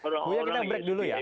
buya kita break dulu ya